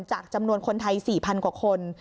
จำนวนคนไทย๔๐๐กว่าคน